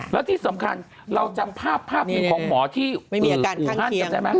แล้วที่สำคัญเราจำภาพอยู่ของหมอที่อู่ห้าน